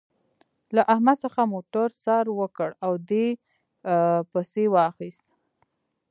له احمد څخه موتر سر وکړ او دې پسې واخيست.